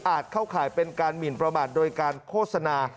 เข้าข่ายเป็นการหมินประมาทโดยการโฆษณา